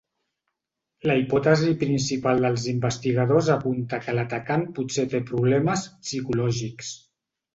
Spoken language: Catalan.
La hipòtesi principal dels investigadors apunta que l’atacant potser té problemes psicològics.